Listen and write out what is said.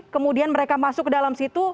kemudian mereka masuk ke dalam situ